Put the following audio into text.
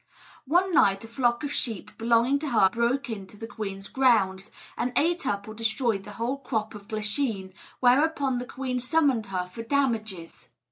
One night a flock of sheep belonging to her broke into the queen's grounds, and ate up or destroyed the whole crop of glasheen; whereupon the queen summoned her for damages.